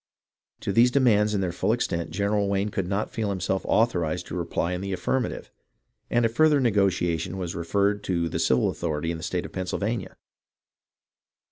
To these demands in their full extent General Wayne could not feel himself authorized to reply in the affirmative, and a further negotiation was referred to the civil authority of the state of Pennsylvania.